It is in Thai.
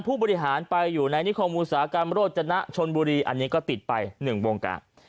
ผู้บริหารไปอยู่ในนิคมอุตสาหกรรมโรจนะชนบุรีอันนี้ก็ติดไป๑วงการ